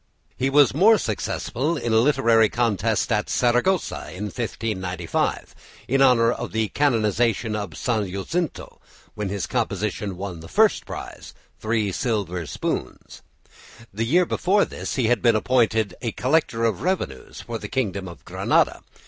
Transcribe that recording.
He was more successful in a literary contest at Saragossa in 1595 in honour of the canonisation of St. Jacinto, when his composition won the first prize, three silver spoons. The year before this he had been appointed a collector of revenues for the kingdom of Granada.